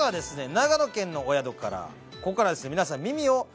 長野県のお宿からここからですね